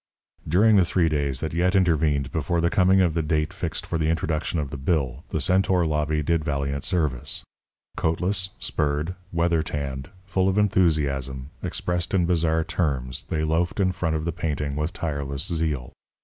During the three days that yet intervened before the coming of the date fixed for the introduction of the bill, the centaur lobby did valiant service. Coatless, spurred, weather tanned, full of enthusiasm expressed in bizarre terms, they loafed in front of the painting with tireless zeal.